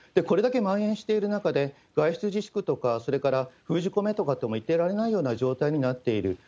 これだけまん延している中で、外出自粛とか、それから封じ込めとか言ってられないような状況になっている。